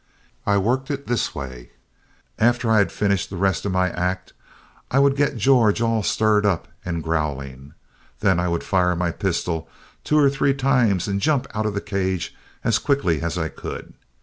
I worked it this way: After I had finished the rest of my act I would get George all stirred up and growling. Then I would fire my pistol two or three times and jump out of the cage as quickly as I could.